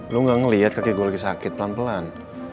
lu gak ngeliat kakek gue lagi sakit pelan pelan